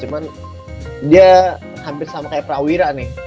cuman dia hampir sama kayak prawira nih